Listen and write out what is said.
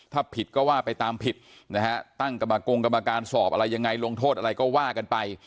ถ้าผิดก็ว่าไปตามผิดนะฮะตั้งกรรมกงกรรมการสอบอะไรยังไงลงโทษอะไรก็ว่ากันไป